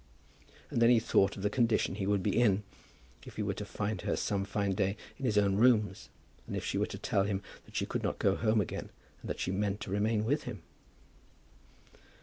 And then he thought of the condition he would be in, if he were to find her some fine day in his own rooms, and if she were to tell him that she could not go home again, and that she meant to remain with him!